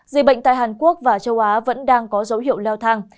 dịch bệnh tại hàn quốc và châu á vẫn đang có dấu hiệu leo thang